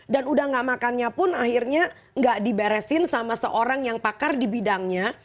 dan udah nggak makannya pun akhirnya nggak diberesin sama seorang yang pakar di bidangnya